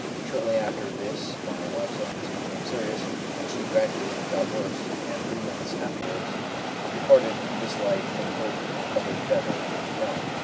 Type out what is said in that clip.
Shortly after this my wife's illness became serious, and she gradually got worse, and three months afterwards departed this life in hope of a better beyond.